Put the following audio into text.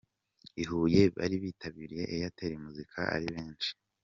i Huye bari bitabiriye Airtel Muzika ari benshi.